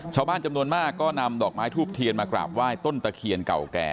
ชาวบ้านจำนวนมากก็นำดอกไม้ทูบเทียนมากราบไหว้ต้นตะเคียนเก่าแก่